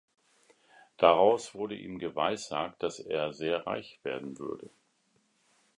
Daraus wurde ihm geweissagt, dass er sehr reich werden würde.